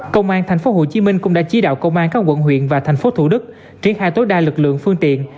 công an thành phố hồ chí minh cũng đã chỉ đạo công an các quận huyện và thành phố thủ đức triển khai tối đa lực lượng phương tiện